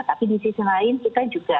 tapi di sisi lain kita juga